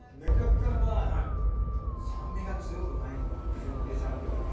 酸味が強くないんだ普通のケチャップより。